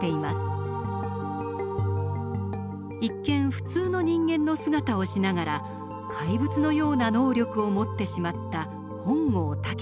一見普通の人間の姿をしながら怪物のような能力を持ってしまった本郷猛。